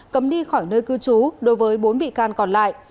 cấm đi khỏi nơi cư trú đối với bốn bị can còn lại